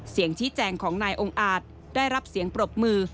เสียงชี้แจงของนายองค์อาจได้รับเสียงปรบมือ